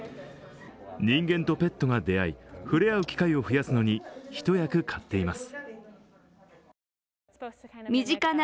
人間とペットが出会い、触れ合う機会を増やすのに一役買っています。